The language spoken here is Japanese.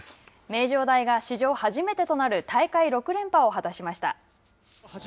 名城大が史上初めてとなる大会６連覇を果たしました。